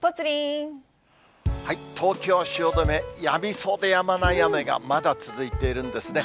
東京・汐留、やみそうでやまない雨がまだ続いているんですね。